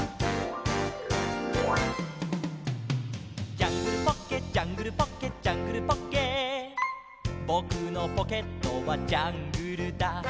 「ジャングルポッケジャングルポッケ」「ジャングルポッケ」「ぼくのポケットはジャングルだ」